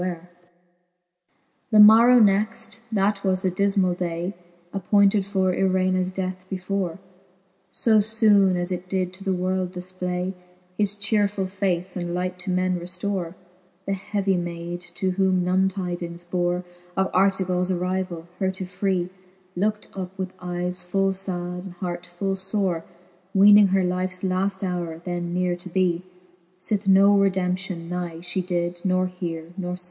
weare^ XI. The morrow next, that was the difrnall day. Appointed for Irenas death before, So Ibone as it did to the world difplay His chearefuU face, and light to men reftore, The heavy mayd, to whom none tydings bore Of Artevals arryvall, her to free, Lookt up with eyes full fad and hart full fore; Weening her lifes laft howre then neare to bee, S'ith no redemption nigh fhe did not heare nor fee.